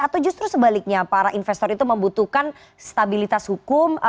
atau justru sebaliknya para investor itu membutuhkan stabilitas hukum